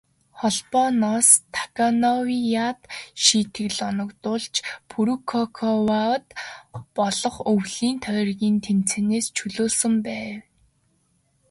Холбооноос Таканоивад шийтгэл оногдуулж, Фүкүокад болох өвлийн тойргийн тэмцээнээс чөлөөлсөн байна.